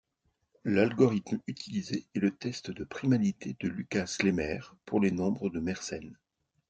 L'algorithme utilisé est le test de primalité de Lucas-Lehmer pour les nombres de Mersenne.